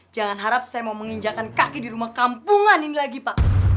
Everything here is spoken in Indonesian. jangan harap saya mau menginjakan kaki di rumah kampungan ini lagi pak